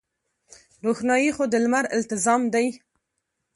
روښنايي خو د لمر التزام دی.